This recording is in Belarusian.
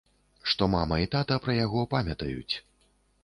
Што мама і тата пра яго памятаюць.